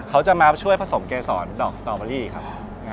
เขาจะมาช่วยผสมเกษรดอกสตอเบอรี่ครับ